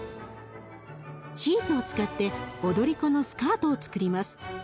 チーズを使って踊り子のスカートをつくります。